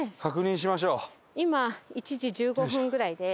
今１時１５分ぐらいです。